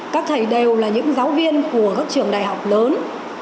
các thầy đều là những giáo viên của các trường đại học lớn